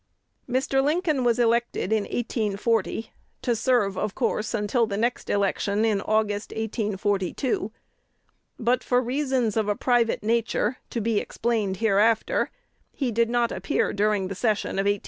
Mr. Lincoln was elected in 1840, to serve, of course, until the next election in August, 1842; but for reasons of a private nature, to be explained hereafter, he did not appear during the session of 1841 2.